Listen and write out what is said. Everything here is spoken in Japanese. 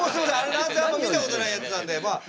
なんせあんま見たことないやつなんでまあ。